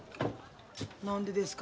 何でですか？